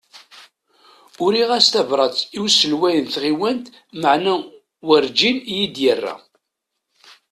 Uriɣ-as tabrat i uselway n tɣiwant maɛna warǧin iyi-d-yerra.